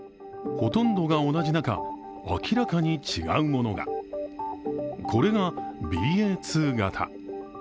ほとんどが同じ中、明らかに違うものがこれがＢＡ．２型。